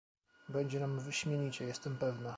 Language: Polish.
"będzie nam wyśmienicie, jestem pewna!"